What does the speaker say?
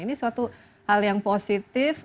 ini suatu hal yang positif